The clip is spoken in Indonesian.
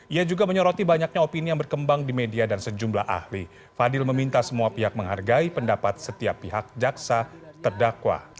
ia juga menyoroti banyaknya opini yang berkembang di media dan sejumlah ahli fadil meminta semua pihak menghargai pendapat setiap pihak jaksa terdakwa